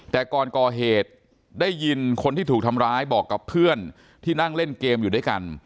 แต่ก่อนก่อเหตุได้ยินคนที่ถูกทำร้ายบอกกับเพื่อนที่นั่งเล่นเกมอยู่ด้วยกัน